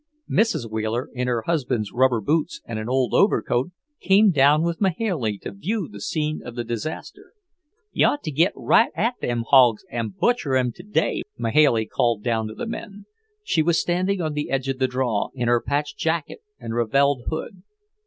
Mrs. Wheeler, in her husband's rubber boots and an old overcoat, came down with Mahailey to view the scene of disaster. "You ought to git right at them hawgs an' butcher 'em today," Mahailey called down to the men. She was standing on the edge of the draw, in her patched jacket and ravelled hood.